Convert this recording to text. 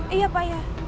iya pak ya